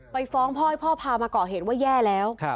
ฟ้องพ่อให้พ่อพามาก่อเหตุว่าแย่แล้ว